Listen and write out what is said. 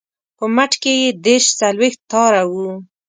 په مټ کې یې دېرش څلویښت تاره وه.